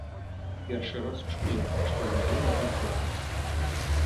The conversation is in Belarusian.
Першы раз чую, што ён быў на канцэрце.